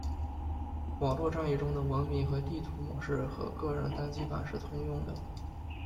网络战役中的文明和地图模式和个人单机版是通用的。